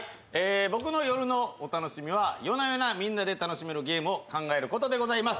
僕の夜のお楽しみは夜な夜なみんなで楽しめるゲームを考えることです。